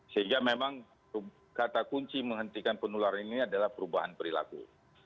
sehingga memang kata kunci menghentikan penularan ini adalah perubahan perilaku